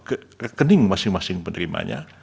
ke rekening masing masing penerimanya